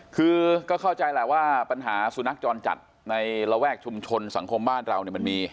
คือก็เข้าใจแหละว่าปัญหาสุนัขจรจัดในระแวกชุมชนสังคมบ้านเราเนี่ยมันมี